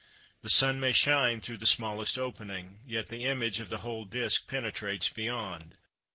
The sun may shine through the smallest opening, yet the image of the whole disk penetrates beyond.